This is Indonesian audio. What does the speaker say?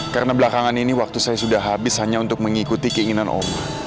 karena belakangan ini waktu saya sudah habis hanya untuk mengikuti keinginan oma